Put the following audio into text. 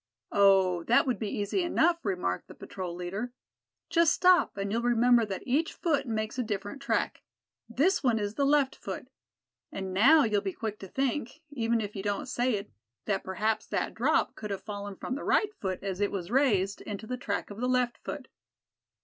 "Oh! that would be easy enough," remarked the patrol leader. "Just stop, and you'll remember that each foot makes a different track. This one is the left foot. And now you'll be quick to think, even if you don't say it, that perhaps that drop could have fallen from the right foot as it was raised, into the track of the left foot.